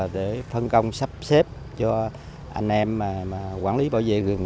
để phân công sắp xếp cho anh em quản lý bảo vệ rừng